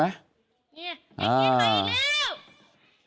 เกิดมาอีกแล้ว